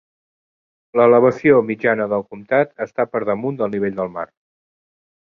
L'elevació mitjana del comtat està per damunt del nivell del mar.